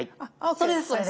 そうですね